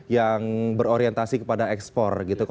yang berorientasi kepada ekspor gitu